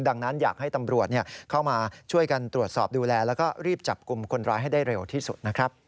ดังนั้นอยากให้ตำรวจเข้ามาช่วยกันตรวจสอบดูแลแล้วก็รีบจับกลุ่มคนร้ายให้ได้เร็วที่สุดนะครับ